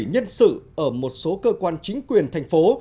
nhân sự ở một số cơ quan chính quyền thành phố